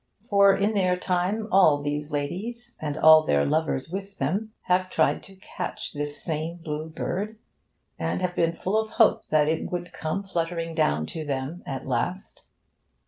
For, in their time, all these ladies, and all their lovers with them, have tried to catch this same Blue Bird, and have been full of hope that it would come fluttering down to them at last.